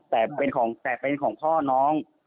แต่เป็นของพ่อน้อง